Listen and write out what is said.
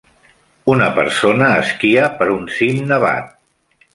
Una persona esquia per un cim nevat.